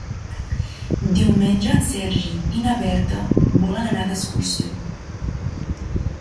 Diumenge en Sergi i na Berta volen anar d'excursió.